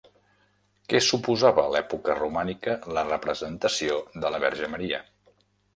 Què suposava a l'època romànica la representació de la Verge Maria?